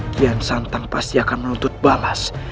kian santang pasti akan menuntut balas